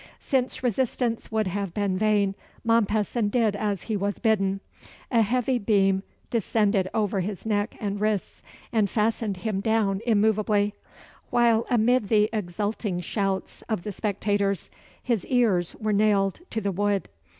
Since resistance would have been vain, Mompesson did as he was bidden. A heavy beam descended over his neck and wrists, and fastened him down immovably; while, amid the exulting shouts of the spectators, his ears were nailed to the wood.